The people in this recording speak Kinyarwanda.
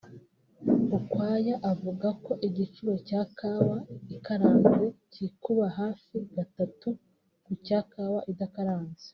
Rukwaya avuga ko igiciro cya kawa ikaranze cyikuba hafi gatatu ku cya kawa idakaranze